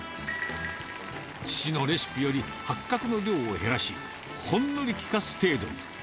父のレシピより八角の量を減らし、ほんのり利かす程度に。